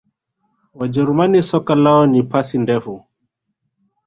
wajerumani soka lao ni pasi ndefu